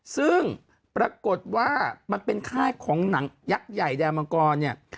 ซึ่งปรากฏว่ามันเป็นค่ายของหนังยักษ์ใหญ่แดมังกรเนี่ย